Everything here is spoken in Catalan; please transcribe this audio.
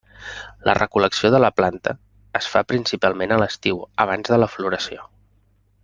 La recol·lecció de la planta es fa principalment a l'estiu, abans de la floració.